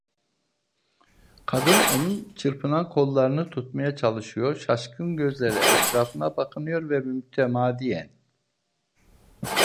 Kadın onun çırpınan kollarını tutmaya çalışıyor, şaşkın gözlerle etrafına bakınıyor ve mütemadiyen: